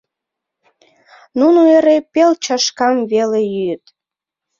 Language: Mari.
Нуно эре пел чашкам веле йӱыт.